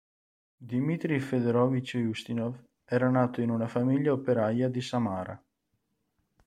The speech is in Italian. Dimitrij Fëdorovič Ustinov era nato in una famiglia operaia di Samara.